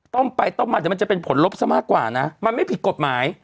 ต้มไปต้มมาเดี๋ยวมันจะเป็นผลลบซะมากกว่านะมันไม่ผิดกฎหมาย